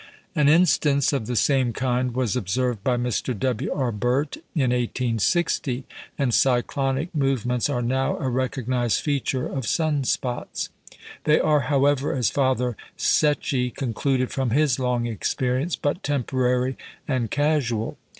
An instance of the same kind was observed by Mr. W. R. Birt in 1860, and cyclonic movements are now a recognised feature of sun spots. They are, however, as Father Secchi concluded from his long experience, but temporary and casual.